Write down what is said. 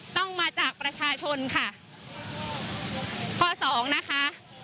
ต้องมาจากประชาชนค่ะข้อสองนะคะ